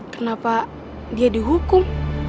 kenapa dia dihukum